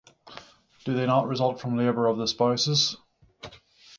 Do they not result from labor of the spouses?